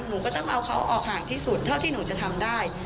หนูก็ต้องเอาเขาออกห่างที่สุดเท่าที่หนูจะทำได้